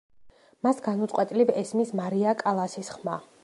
მას განუწყვეტლივ ესმის მარია კალასის ხმა.